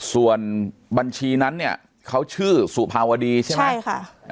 ส่วนบัญชีนั้นเนี่ยเขาชื่อสุภาวดีใช่ไหมใช่ค่ะ